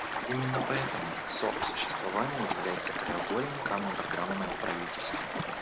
Именно поэтому сосуществование является краеугольным камнем программы моего правительства.